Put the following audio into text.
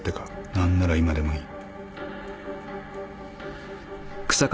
何なら今でもいい。